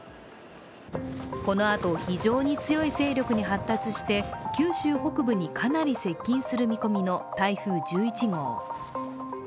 このあと非常に強い勢力に発達して九州北部にかなり接近する見込みの台風１１号。